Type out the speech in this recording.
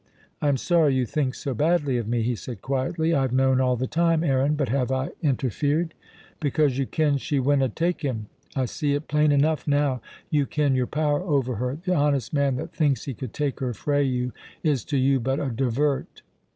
"I am sorry you think so badly of me," he said quietly. "I have known all the time, Aaron, but have I interfered?" "Because you ken she winna take him. I see it plain enough now. You ken your power over her; the honest man that thinks he could take her frae you is to you but a divert."